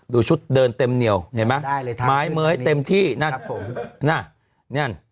ดูชุดเดินเต็มเหนียวเห็นไหมไม้เม้ยเต็มที่นั่นน่ะนั่น